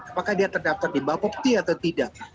apakah dia terdaftar di bapak pt atau tidak